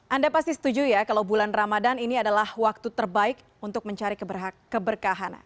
anda pasti setuju ya kalau bulan ramadan ini adalah waktu terbaik untuk mencari keberkahan